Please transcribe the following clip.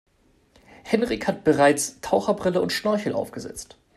Henrik hat bereits Taucherbrille und Schnorchel aufgesetzt.